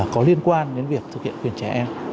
có liên quan đến việc thực hiện quyền trẻ em